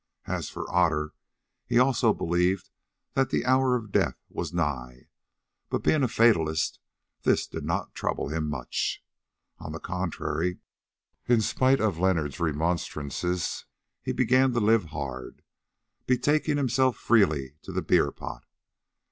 As for Otter, he also believed that the hour of death was nigh, but being a fatalist this did not trouble him much. On the contrary, in spite of Leonard's remonstrances he began to live hard, betaking himself freely to the beer pot.